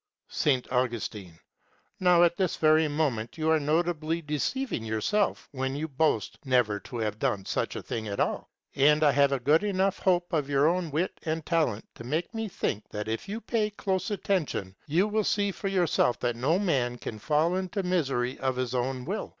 S. Augustine. Now at this very moment you are notably deceiving yourself when you boast never to have done such a thing at all; and I have a good enough hope of your own wit and talent to make me think that if you pay close attention you will see for yourself that no man can fall into misery of his own will.